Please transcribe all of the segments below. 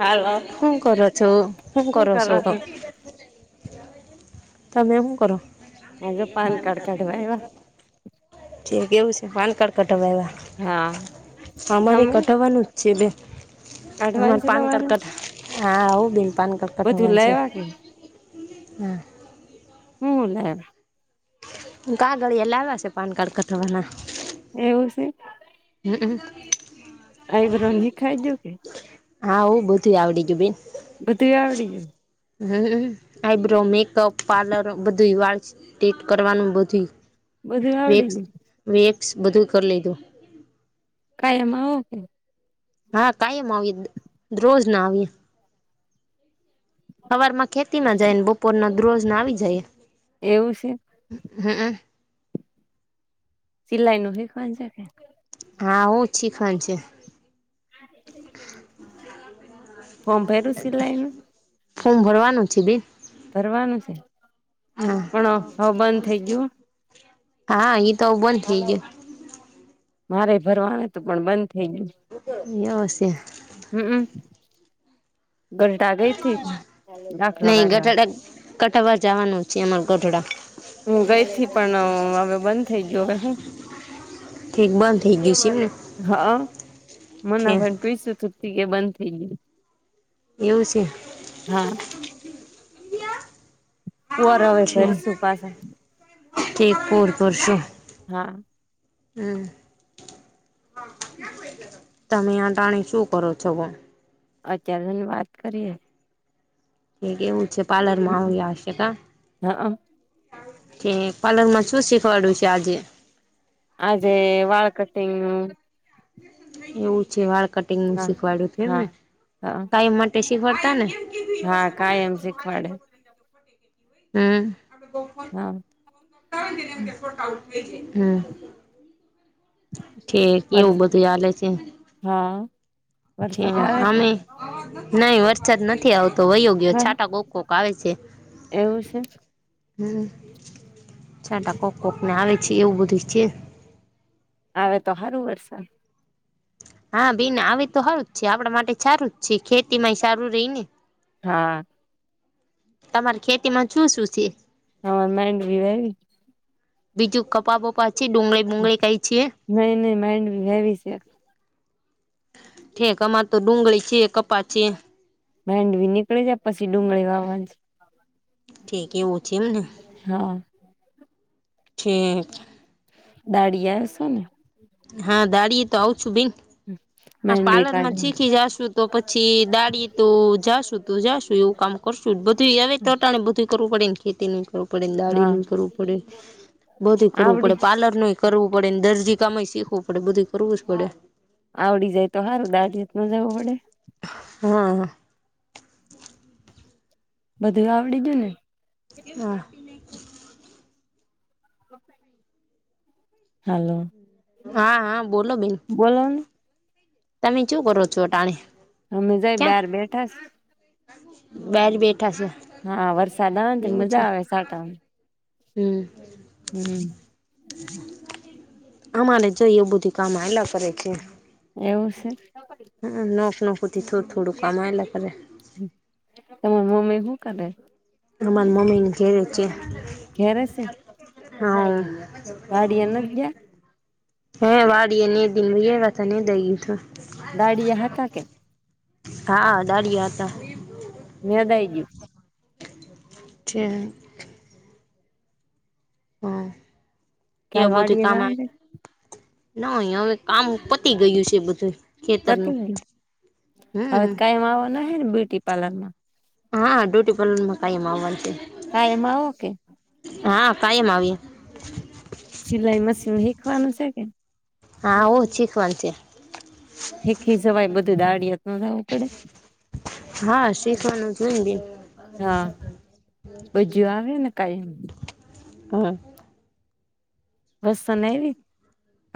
હાલો હું કરો છો હું શું કરો શો છો તમે હું કરો માજો પાન કાર્ડ કાઢવા આયવા જે કેવું છે પાન કાર્ડ કઢાવા આયવા હા અમારે તમે કઢાવાનું છે બે હમાર કાઢવાનું છે પાન કાર્ડ તમારે કટ હા આવો બેન પાન કાર્ડ બધું કઢાવવા છે લાવ્યા કે હા હમ લે કાગળ લાવ્યા છે પાન કાર્ડ કઢવાના એવું છે હમ આ રંધી ખાઈ ગયું કે હા ઉ બધુંય આવડી ગયું બેન બધું આવડી ગયું હમ આઈબ્રો મેકઅપ પાર્લર બધું વાળ સ્રીટ કરવાનું બધું બધું આવડી વેક્સ ગયું વેક્સ બધું કરી લીધું કાયમાં ઓકે હા કાયમ આવીએ રોજ ના આવીએ હવાર માં ખેતીમા જાય ને બપોર ના દરોજ ના આવી જાય એવું છે હમ સીલ્લાઈ નુહે [unintelligible] હા હું શીખણ છે [inaudible] ફોર્મ ભર્યું સિલાઈ નું ફોર્મ ભરવાનું છે બેન ભરવાનું છે હા પણ હવ બંધ થઈ ગયું હા ઈ તો બંધ થઇ ગયો મારે ભરવાનું હતું પણ બંધ થઈ ગયું ગયું હશે હમ ગલ્ટ આ ગયી થી [unintelligible] કઠવા જવાનું છે અમાર ગોઢડા હું ગઈ થી પણ હવે બંધ થઈ ગયો હવે હું ઠીક બંધ થઇ ગયુ છે ને હા મને ભ પઈસું થપથી એ બંધ થઈ ગયું એવું છે હા પર હવે ઠીક પેરીશું પાછા ઠીક પૂર ભરશું હા હમ તમે આ ટાણી શું કરો છોકો અત્યારેની વાત કરીએે કે કેવું છે પાર્લર માં આવશે આવશે કા હા છે પારલર માં છું સીખવાડ્યું છે આજે આજે વાળ કટિંગ નું એવું છે વાળ કટિંગ નું હા શીખવાડ્યું હતું હા એમને હા કાયમ માટે શીખવાડતા ને હા કાય એમ શીખવાડે હમ્મ [unintelligible] હા. [unintelligible] હમ્મ. ઠીક વરસ એવું બધું હાલે છે. હા. વરસાદ આવે [inaudible] કે અમે નહી વરસાદ નથી આવતો વયો ગયો જે છાટા કોક કોક આવે છે. એવું છે હમ્મ છાટા કોક કોક ને આવે છે એવું બધું છે. આવે તો સારું વરસાદ હા બેન આવી તો હારું જ છે આપડા માટે સારું જ છે ખેતી માંય સારું રહી ને હા. તમારી ખેતી માં શું શું છે? હા મેન્ડવી વાઈ વી બીજું કપા બપા છે ડુંગળી બુગળી કાય છે એ નહી નહી માઇન્ડી હેવી છે. ઠેક અમાર તો ડુંગળી છે કપા છે. માંંડવી નીકળી જાય પછી ડુંગળી વાવવા ની ઠીક એવું છે એમને હા. ઠીક દાઢિયા સોને હા દાડીયે તો આવ છું બીન આ માંડવી પાર્લર માં કાઢવા થી જાશું તો પછી દાળી તું જાશું તું જાશુ એવું કામ કરશું બધું આવે તો ટાણે બધું કરવું પડે ને ખેતી નુ તો પડે ને દાળી હા નું કરવું પડે બધું કરવું આવડી પડે પાલરનું કરવું પડે ને દરજી કામય શીખવું પડે બધું કરવું જ પડે આવડી જાય તો સારું દાઢ રીત ના જવો પડે હમ્મ. બધું આવડી ગયું ને હા. [inaudible] હાલો. હા હા બોલો બેન બોલો તમે શું કરો છો અટાણે અમે જાય બાર બેઠા સ બાર બેઠા સો હા વરસાદ આવે ને મજા આવે સાટાવાની હમ્મ. [inaudible] અમારે જઈ એ બધુ કામ હલ્યા કરે છે. એવું છે. આમ નોખ નોખ હુદી થોડુ થોડું કામા હલ્યા કરે. તમાર મમ્મી હું કરે. અમાર મમ્મીનું ચેન ચેન ઘેરે છે [inaudible] હઓ [unintelligible] વાડીએ નથી ગયા હે વાડીએ ની દઈ ગયા આયા તા ની દઈએ તો દાડીયા હાકા કે હા દાળિયા હતા. યાદ આઈ ગી છે. હમ એ કાલ બધું વાડીએ કામ જવાનું છે ન હવે કામ પતી ગયું છે, બધુ પતી ગયું હવે કઈમ આવવા ના હ ને બ્યુટી પાર્લર મા હા ડ્યુટી પલર મ કમાં આવવાનુ છે. ક એમાં આવો કે હા કાયમ આવીએ સિલાઈ મશીન શીખવાનુ છે, કે હા ઓ શીખ વાન છે. એકેી સવાય બધું દાળત ન જવું પડે હા શીખવાનું જોયને બે હા બજું આવે ને કઈ એમ હા બસ ન એવી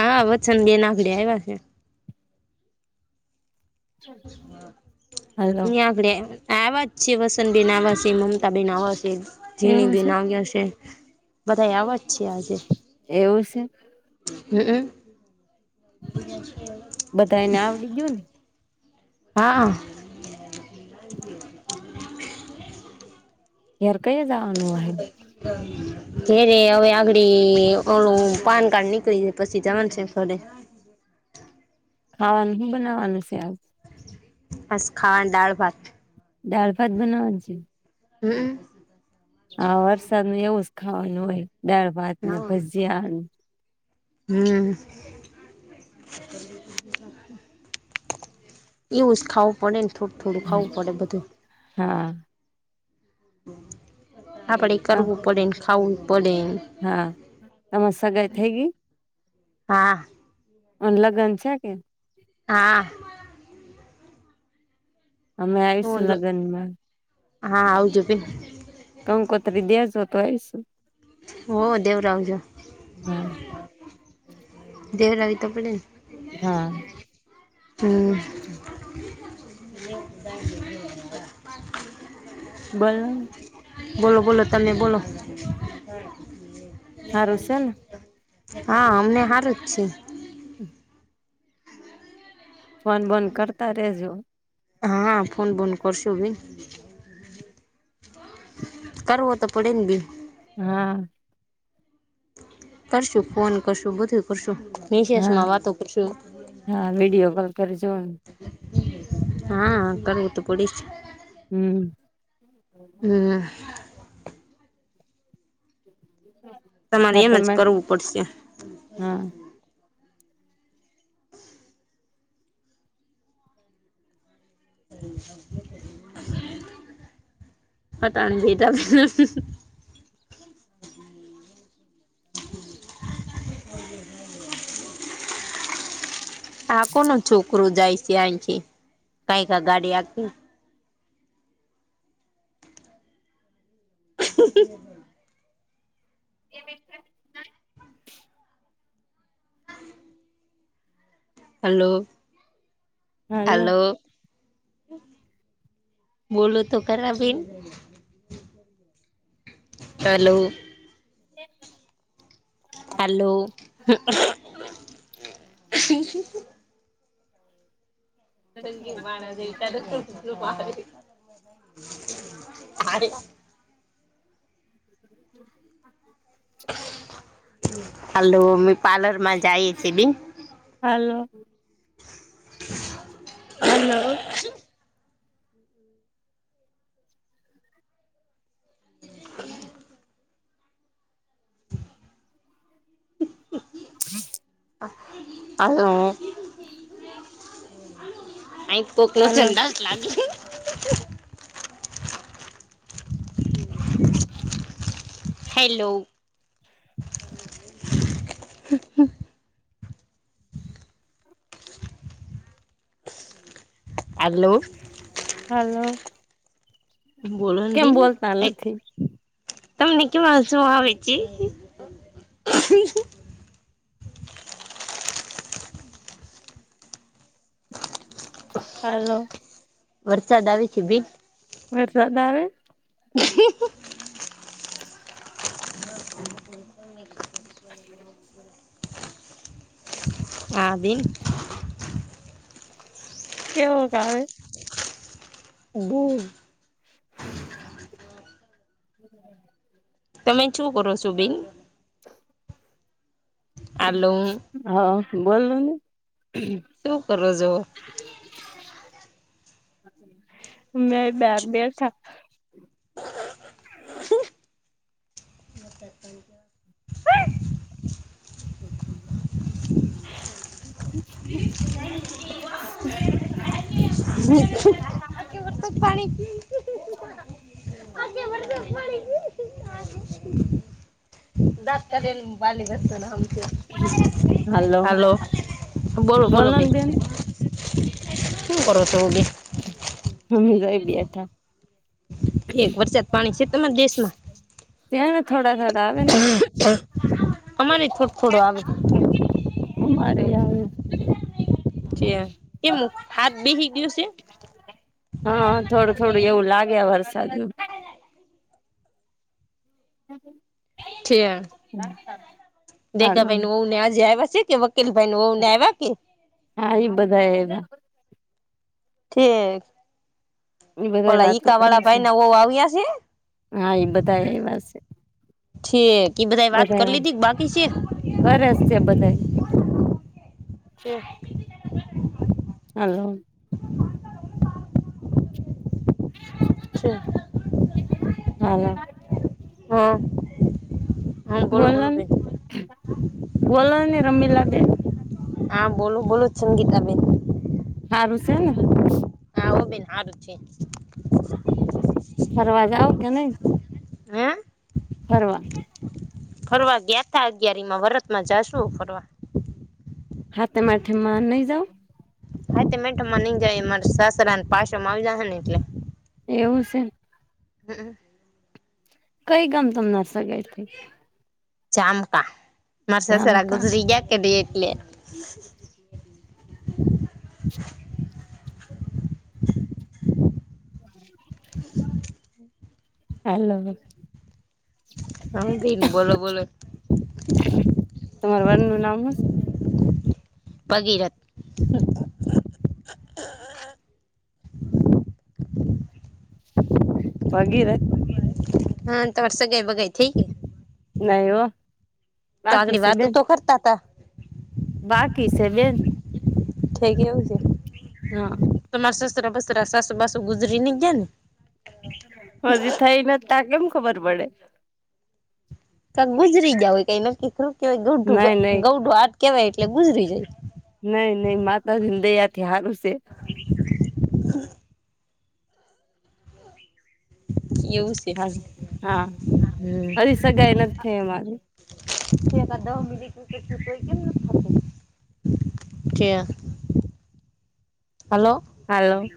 હા વતનડીે નાગડે આવ્યા છે. હાલો યાગળ્યા આવા જ છે વસંત બેેન આવા છે, મમતા બેેન આવા છે એવું જીણી છે બેેન આવ્યા છે. બધા આવવા જ છે, આજે એવું છે હમમ બ બધા એને આવડી ગયુ ને હા હ હાર કઈ જવાનુ હ ઘે ર હવે આગળ ઓણું પાન કાર્ડ નીકળી પછી જવાનું છે, ફડે ખાવાનું શું બનાવાનુ છે, આજ બસ ખાવાનું દાળ ભાત ડાળ ભાત બનાવ છે. હમ્મ હા વરસાદ ન એવુ જ ખાવાનુ હોય, દાળ ભાત ને ભજીયા હમ્મ એવું જ ખાવું પડે ને થોડું થોડું ખાવું પડે બધુ હા આપડે કરવું પડે ને ખાવુ પડે હા તમાર સગાઈ થઇ ગઈ. હા અ લગ્ન છે, કે હા અમે હું આવીશું લગનમા હા આવજો ભ કંકો તરી દેજ તો એશુ હો દેવરાવ જો. હા દેહલાાગ તોપડેને હા હમ્મ હમ્મ [inaudible] બલ બોલો બોલો તમે બોલો સારું છે ને હા અમને સારું જ છે. [inaudible] ફોન બોન કરતા રેજો હા ફોન બંધ કરશો બી કરવો તો પડે ને બીન હા કરશું ફોન કરશું બધું કરશું નિશેષ હા માં વાતો કર છું હા વિડીયો કોલ કરજો હા કરવું તો પડીશ હમ્મ હમ્મ હ તમારે એમ જ કરવું પડશે હા પ તને દઈ ત [inaudible] આ કોનું છોકરું જાય છે આહીથી કઈ ક ગાડી આખી [inaudible] એ [unintelligible] [inaudible] હલો હાલો હલો બોલો તો ખરા બેન હેલો [inaudible] હલો સંગીત માણ [unintelligible] [inaudible] હાલો અમે પાર્લર માં જઈએ છીએ બેન હાલો હલો હ [inaudible] હ કોકનો સં હલો અંદાજ લાગલે હલો [inaudible] હાલો હલો બોલો ને કેમ બેન બોલતા નથી તમને કેવા શું આવે છે હલો વરસાદ આવે છે બેન વરસાદ આવે [unintelligible] [inaudible] હા બેન કેવું ક આવે [unintelligible] [inaudible] તમે શું કરો છો બેન [inaudible] હાલો હા બોલોને. શું કરો જો. મે બ બે છ. [inaudible] [inaudible] [inaudible] [unintelligible] [inaudible] દાત કાઢેલ બાલિકસ્ત આમ હલો હાલો. બોલો બોલો બેન હું કરો છો બેન. હમે જોઈ બ બેઠા. એક વરસાદ પાણી છે તમારા દેશમાં. ત્યા ને થોડા. થોડા આવે ને અમારી થોડ થોડો આવે. ધુમાડે આવે. કેમ હાત બેહી ગયો સે. હા હા થોડું થોડું એવું લાગે વરસાદ નુ. [inaudible] છે દેતા હાલો ભાઈને વઉ આજે આવ્યા છે કે. કીલ ભાઈ ને વઉ ને આવ્યા કે. હા ઈ બધા હેના. ઠીક એ બધા ઓલા વાતો ઈકા કરે વાળા છે ભાઈ ના વઉ આવીયા છે. હા ઇ બધા એવા સે. ઠેક ઈ ધા વાત કરી લીધી બાકી છે. ઘરે સે બધાય. છે. હલો. અચ્છા. હા. હા. હા બોલો બોલો બોલન બેન બોલો ને રમીલા બેન. હા બોલું બોલુ છંગીતા બેન. હારું સે ને. આવો બેન હારુ છે. ફરવા જાવ કે નહી. હે ફરવા. ફરવા ગ્યાતા અગિયારી માં વરર્ષ મા જાશુ ફરવા. હાથમ આઠમ મા નહિ જઉ. હાતમ આઠમ માં નઈ જવાય મારા સાસરા પાછો માં આવે જાહે ને એટલે. એવું સે. હું. કઈ ગામ તમને સગાય થઇ. ચામકા મારે સસરા ધામકા ગુજરી ગયા કેડે એટલે. [inaudible] [inaudible] હેલો. સમન બોલો બોલો. તમારા વર નું નામ હું છે ભગીરથ. અથા [inaudible] ભગીરથ. હા તમારી સગાઈ બગાઈ થઈ ગઈ. નઈ હો. તા બાકી આગાળી છે વાતો બેન તો કરતા તા. બાકી છે બેન થઈ ગયે હ શે હા. તમાર સસરા બસરા સાસુ બાસુ ગુજરી નઈ ગયા ને. હજી થઈ નથી તા કેમ ખબર પડે. ક ગુજરી ગયા હોય કઈ નક્કી શું કેહેવાય ગડું નઈ નઈ ગૌઢું હાથ કેવાય એટલે ગુજરી જાય. નઈ નઈ માતાજી દયા થી હારું છે. હ [unintelligible] યુઝ. હ હા હરી સગાઈ નથી થઈ અમારી. હા દહ મિનિટ એટલે કેમ ઊભું નઈ થતું કે હાલો. હાલો.